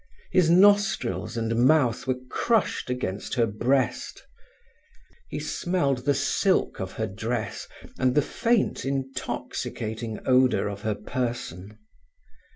His nostrils and mouth were crushed against her breast. He smelled the silk of her dress and the faint, intoxicating odour of her person.